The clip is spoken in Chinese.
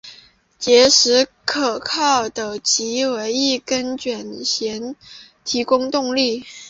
结实可靠的藉由一根卷簧提供动力。